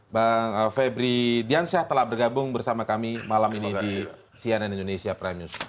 bang febri diansyah telah bergabung bersama kami malam ini di cnn indonesia prime news